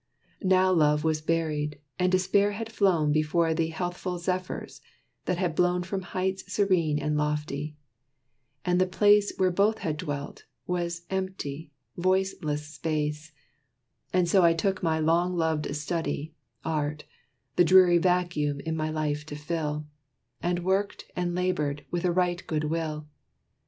Now love was buried; and despair had flown Before the healthful zephyrs that had blown From heights serene and lofty; and the place Where both had dwelt, was empty, voiceless space And so I took my long loved study, art, The dreary vacuum in my life to fill, And worked, and labored, with a right good will.